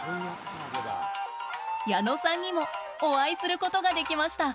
矢野さんにもお会いすることができました。